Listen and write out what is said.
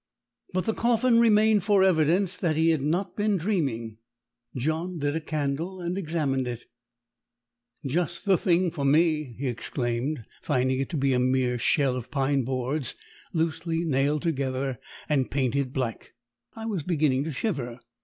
But the coffin remained for evidence that he had not been dreaming. John lit a candle and examined it. "Just the thing for me," he exclaimed, finding it to be a mere shell of pine boards, loosely nailed together and painted black. "I was beginning to shiver."